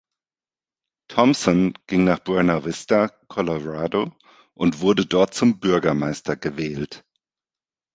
Thompson ging nach Buena Vista, Colorado und wurde dort zum Bürgermeister gewählt.